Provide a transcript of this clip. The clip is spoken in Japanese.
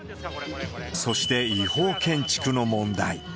そして、違法建築の問題。